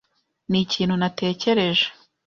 Ni ikintu natekereje.